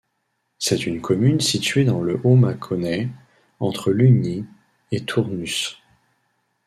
C'est une commune située dans le Haut-Mâconnais, entre Lugny et Tournus.